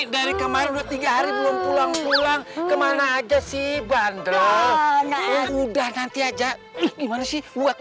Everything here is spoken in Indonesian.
dari kemarin tiga hari belum pulang pulang ke mana aja sih bandel udah nanti aja gimana sih buat